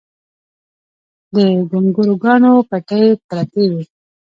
د ګونګروګانو پټۍ پرتې وې